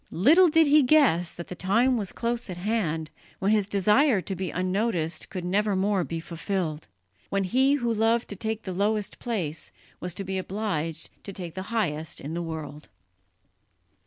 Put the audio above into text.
Little did he guess that the time was close at hand when his desire to be unnoticed could nevermore be fulfilled, when he who loved to take the lowest place was to be obliged to take the highest in the world.